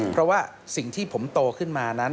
เพราะว่าสิ่งที่ผมโตขึ้นมานั้น